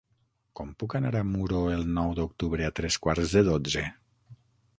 Com puc anar a Muro el nou d'octubre a tres quarts de dotze?